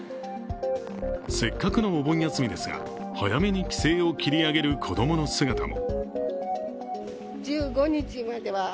せっかくのお盆休みですが早めに帰省を切り上げる子供の姿も。